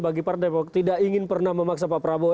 bagi partai demokrat ini tidak ingin memaksa pak prabowo